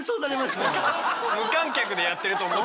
無観客でやってると思った。